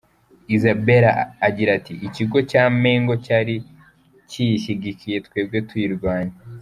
Isabella agira ati “Ikigo cya Mengo cyari kiyishyigikiye twebwe tuyirwanya.